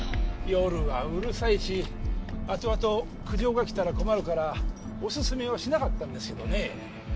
夜はうるさいし後々苦情が来たら困るからおすすめはしなかったんですけどね。